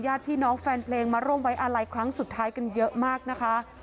ญาติพี่น้องแฟนเพลงมาร่วมไว้อาลัยครั้งสุดท้ายกันเยอะมากนะคะ